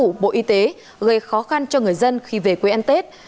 của bộ y tế gây khó khăn cho người dân khi về quê ăn tết